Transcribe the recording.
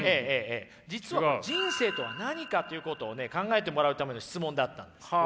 実は人生とは何かということをね考えてもらうための質問だったんです。